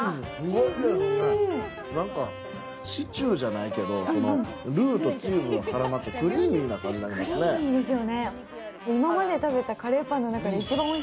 なんかシチューじゃないけどルーとチーズが絡まってクリーミーな感じになりますね。